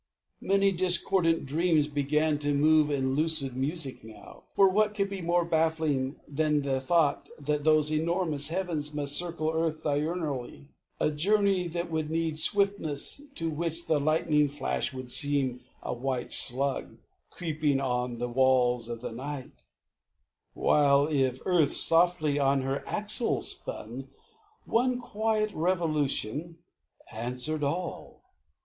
Many discordant dreams Began to move in lucid music now. For what could be more baffling than the thought That those enormous heavens must circle earth Diurnally a journey that would need Swiftness to which the lightning flash would seem A white slug creeping on the walls of night; While, if earth softly on her axle spun One quiet revolution answered all.